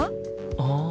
ああ。